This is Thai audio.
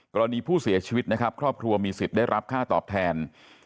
กรณีผู้เสียชีวิตนะครับครอบครัวมีสิทธิ์ได้รับค่าตอบแทน